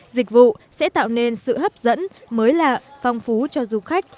dịch vụ sẽ tạo nên sự hấp dẫn mới lạ phong phú cho du khách